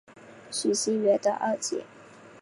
徐熙媛的二姐。